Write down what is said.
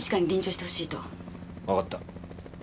わかった。